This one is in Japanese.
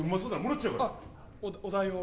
お代を。